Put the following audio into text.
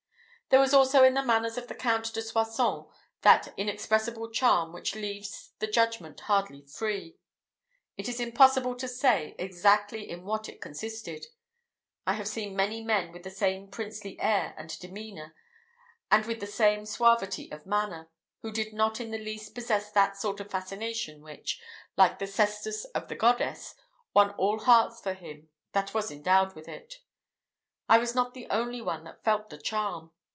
There was also in the manners of the Count de Soissons that inexpressible charm which leaves the judgment hardly free. It is impossible to say exactly in what it consisted. I have seen many men with the same princely air and demeanour, and with the same suavity of manner, who did not in the least possess that sort of fascination which, like the cestus of the goddess, won all hearts for him that was endowed with it. I was not the only one that felt the charm.